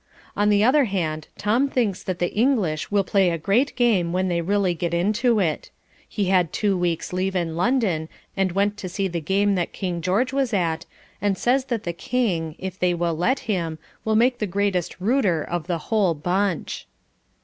On the other hand, Tom thinks that the English will play a great game when they really get into it. He had two weeks' leave in London and went to see the game that King George was at, and says that the King, if they will let him, will make the greatest rooter of the whole bunch.